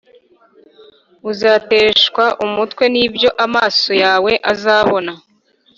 Uzateshwa umutwe n’ibyo amaso yawe azabona.